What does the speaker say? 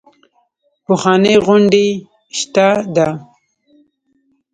پخوانۍ غونډۍ شته ده.